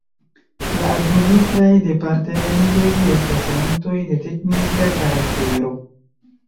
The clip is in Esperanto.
La Administraj Departementoj estas entoj de teknika karaktero.